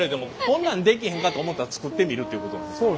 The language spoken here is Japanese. こんなん出来へんかと思ったら作ってみるっていうことなんですか？